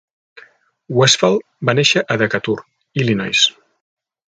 Westfall va néixer a Decatur, Illinois.